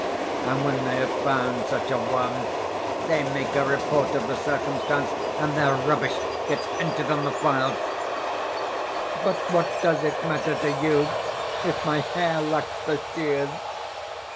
And when they have found such a one they make a report of the circumstance, and their rubbish gets entered on the file.... But what does it matter to you if my hair lacks the shears?